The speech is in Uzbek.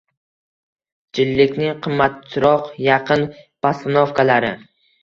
Jillikning qimmatroq Yaqin postanovkalari